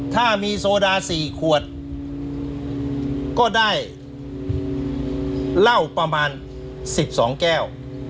ถ้ามีโซดาสี่ขวดก็ได้เหล้าประมาณสิบสองแก้ว